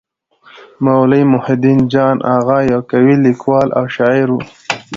مولوي محی الدين جان اغا يو قوي لیکوال او شاعر وو.